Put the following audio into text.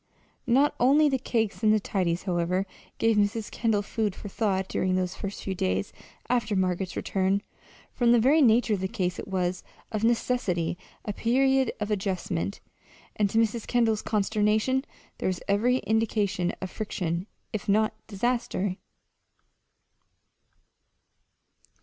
Not only the cakes and the tidies, however, gave Mrs. Kendall food for thought during those first few days after Margaret's return. From the very nature of the case it was, of necessity, a period of adjustment; and to Mrs. Kendall's consternation there was every indication of friction, if not disaster.